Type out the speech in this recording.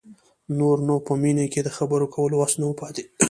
نور نو په مينې کې د خبرو کولو وس نه و پاتې.